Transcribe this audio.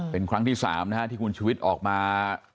เป็นครั้งที่๓นะฮะที่คุณชุวิตออกมา